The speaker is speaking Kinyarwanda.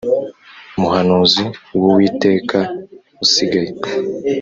muhanuzi w uwiteka usigaye